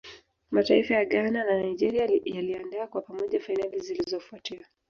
mataifa ya Ghana na Nigeria yaliandaa kwa pamoja fainali zilizofuatia